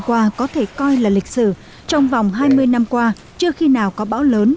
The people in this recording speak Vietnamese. trong vòng hai mươi năm qua có thể coi là lịch sử trong vòng hai mươi năm qua chưa khi nào có bão lớn